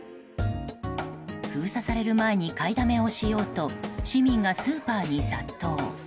封鎖される前に買いだめをしようと市民がスーパーに殺到。